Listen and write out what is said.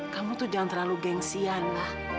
kamu tuh jangan terlalu gengsian lah